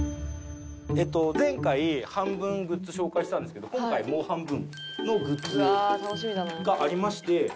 前回半分グッズを紹介したんですけど今回もう半分のグッズがありまして。